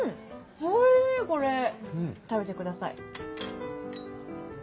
おいしいこれ食べてください。